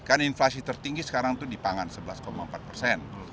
karena inflasi tertinggi sekarang itu di pangan sebelas empat persen